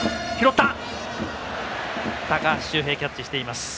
高橋周平、キャッチしています。